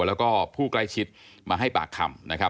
แล้วก็ผู้ใกล้ชิดมาให้ปากคำนะครับ